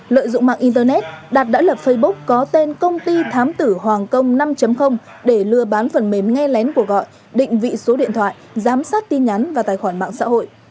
lợi dụng mạng internet đạt đã lập facebook có tên công ty thám tử hoàng công năm để lừa bán phần mềm nghe lén của gọi định vị số điện thoại giám sát tin nhắn và tài khoản mạng xã hội